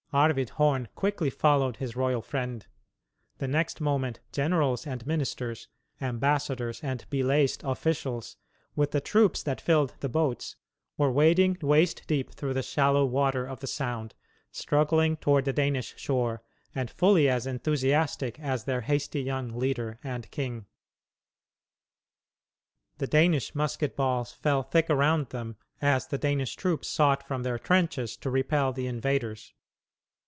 Arvid Horn quickly followed his royal friend. The next moment generals and ministers, ambassadors and belaced officials, with the troops that filled the boats, were wading waist deep through the shallow water of the Sound, struggling toward the Danish shore, and fully as enthusiastic as their hasty young leader and king. The Danish musket balls fell thick around them as the Danish troops sought from their trenches to repel the invaders.